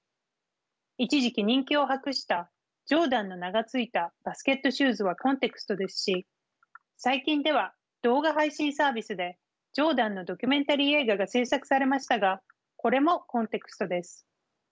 一時期人気を博した「ジョーダン」の名が付いたバスケットシューズはコンテクストですし最近では動画配信サービスでジョーダンのドキュメンタリー映画が制作されましたがこれもコンテクストです。